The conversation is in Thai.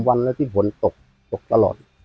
วันแล้วที่ฝนตกตกตลอด